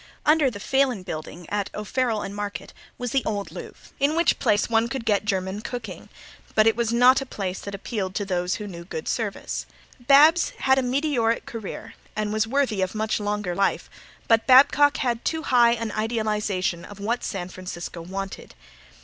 Under the Phelan building at O'Farrell and Market was the Old Louvre in which place one could get German cooking, but it was not a place that appealed to those who knew good service. Bab's had a meteoric career and was worthy of much longer life, but Babcock had too high an idealization of what San Francisco wanted.